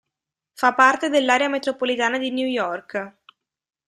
Fa parte dell'Area metropolitana di New York.